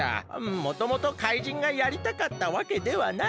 もともとかいじんがやりたかったわけではない。